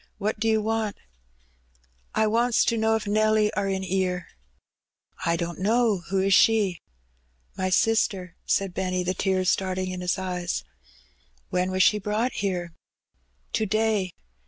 "What do you want?'' '^ I wants to know if Nelly are in 'ere ?" "I don't know. Who is she?" "My sister," said Benny, the tears starting in his eyes. "When was she brought here?" "To day.